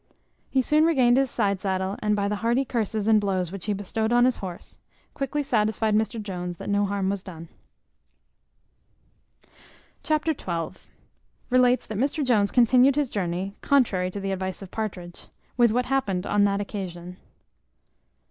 He soon regained his side saddle, and by the hearty curses and blows which he bestowed on his horse, quickly satisfied Mr Jones that no harm was done. Chapter xii. Relates that Mr Jones continued his journey, contrary to the advice of Partridge, with what happened on that occasion.